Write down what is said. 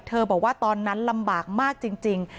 บอกว่าตอนนั้นลำบากมากจริง